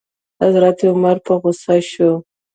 حضرت عمر په غوسه شو.